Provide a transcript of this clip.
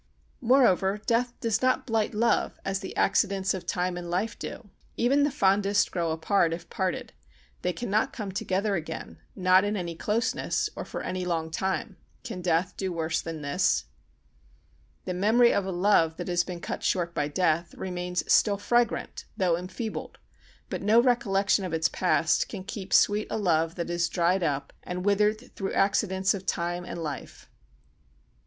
Moreover, death does not blight love as the accidents of time and life do. Even the fondest grow apart if parted; they cannot come together again, not in any closeness or for any long time. Can death do worse than this? The memory of a love that has been cut short by death remains still fragrant though enfeebled, but no recollection of its past can keep sweet a love that has dried up and withered through accidents of time and life.